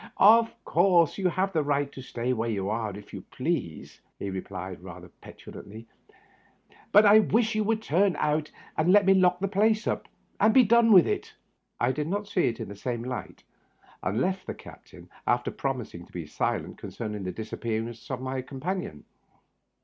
^' Of course you have a right to stay where you are if you please," he replied, rather petulantly ;" but I wish Digitized by VjOOQIC TEE UPPER BERTH. 33 you would turn out and let me lock the place ap, and be done with it." I did not see it in the same light, and left the captain after promising to be silent concerning the disappearance of my companion.